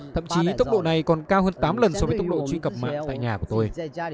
thậm chí tốc độ này còn cao hơn tám lần so với tốc độ truy cập mạng tại nhà của tôi